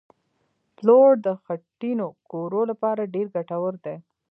پلوړ د خټینو کورو لپاره ډېر ګټور دي